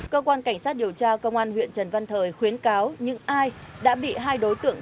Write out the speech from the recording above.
cơ quan cảnh sát điều tra công an huyện trần văn thời khuyến cáo những ai đã bị hai đối tượng